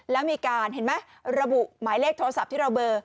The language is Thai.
แล้วมีการเห็นไหมระบุหมายเลขโทรศัพท์ที่เราเบอร์